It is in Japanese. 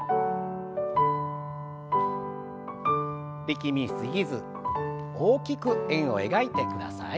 力み過ぎず大きく円を描いてください。